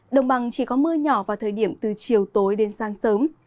đồng bằng chỉ có mưa nhỏ vào thời điểm từ chiều tối đến sáng sớm